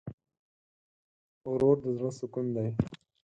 ورور د زړه سکون دی.